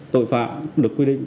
tội phạm được quy định